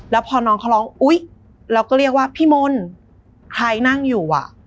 แล้วพอน้องเขาร้องอุ๊ยเราก็เรียกว่าพี่มนต์ใครนั่งอยู่อ่ะ